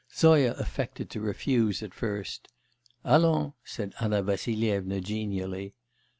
Zoya affected to refuse at first.... 'Allons' said Anna Vassilyevna genially....